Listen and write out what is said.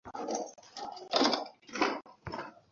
কেউ এর খবর জানে না।